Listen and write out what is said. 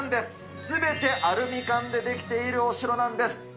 すべてアルミ缶で出来ているお城なんです。